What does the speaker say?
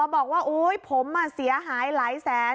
บอกว่าโอ๊ยผมเสียหายหลายแสน